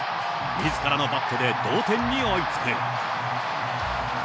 みずからのバットで同点に追いつく。